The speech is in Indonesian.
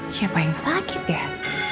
siapa yang sakit ya